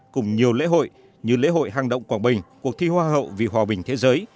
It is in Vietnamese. cùng nhiều lễ hội như lễ hội hang động quảng bình cuộc thi hoa hậu vì hòa bình thế giới